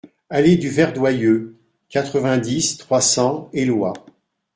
Allée du Verdoyeux, quatre-vingt-dix, trois cents Éloie